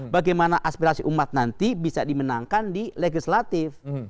bagaimana aspirasi umat nanti bisa dimenangkan di legislatif